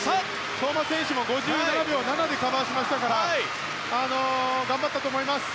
相馬選手も５５秒７でターンしましたから頑張ったと思いますよ。